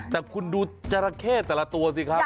แต่คุณดูจราเข้แต่ละตัวสิครับ